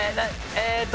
えーっと。